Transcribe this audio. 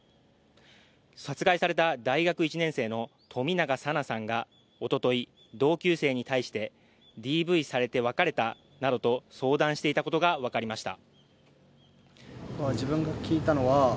殺害された大学１年生の冨永紗菜さんがおととい同級生に対してＤＶされて別れたなどと相談していたことが分かりました。